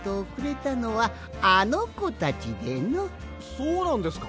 そうなんですか？